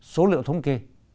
số liệu thống kê